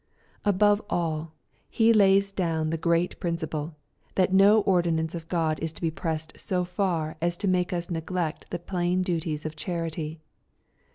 — Above all, He lays down the great principle, that no ordinance of God is to be pressed so &r as to make us neglect the plain duties of charity.